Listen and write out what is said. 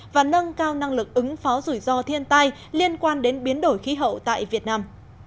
và nâng cao năng lực ứng phó rủi ro thiên tai liên quan đến biến đổi khí hậu tại việt nam